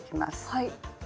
はい。